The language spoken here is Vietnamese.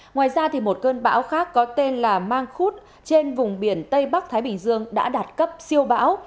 ngoài ra một cơn bão khác có tên là mang khúc trên vùng biển tây bắc thái bình dương đã đạt cấp siêu bão